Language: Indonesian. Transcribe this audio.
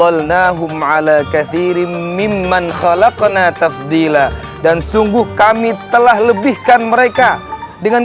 walnahum ala kathirim mimman khalaqona tathdila dan sungguh kami telah lebihkan mereka dengan